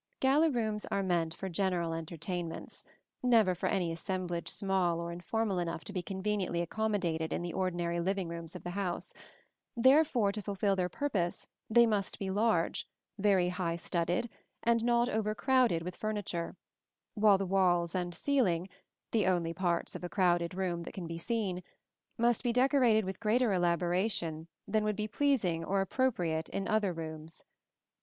Gala rooms are meant for general entertainments, never for any assemblage small or informal enough to be conveniently accommodated in the ordinary living rooms of the house; therefore to fulfil their purpose they must be large, very high studded, and not overcrowded with furniture, while the walls and ceiling the only parts of a crowded room that can be seen must be decorated with greater elaboration than would be pleasing or appropriate in other rooms.